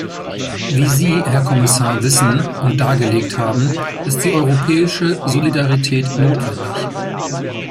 Wie Sie, Herr Kommissar, wissen und dargelegt haben, ist die europäische Solidarität notwendig.